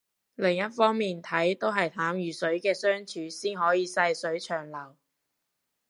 另一方面睇都係淡如水嘅相處先可以細水長流